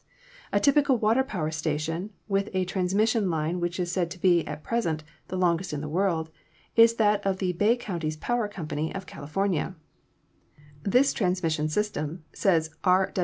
A typical water power station, with a transmission line which is said to be, at present, the longest in the world, is that of the Bay Counties Power Co. of California. "This transmission system," says R.